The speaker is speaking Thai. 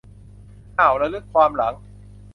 เอ้า ระลึกความหลัง